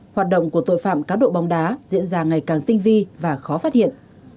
hoạt động của tội phạm cá độ bóng đá diễn ra ngày càng tinh vi và khó phát hiện